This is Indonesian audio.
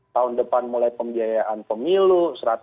tahun depan mulai pembiayaan pemilu